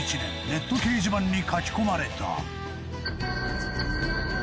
ネット掲示板に書き込まれた。